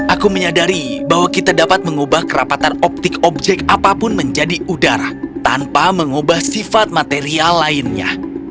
aku menyadari bahwa kita dapat mengubah kerapatan optik objek apapun menjadi udara tanpa mengubah sifat material lainnya